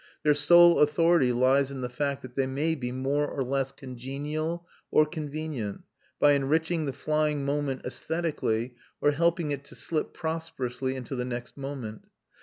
Their sole authority lies in the fact that they may be more or less congenial or convenient, by enriching the flying moment æsthetically, or helping it to slip prosperously into the next moment.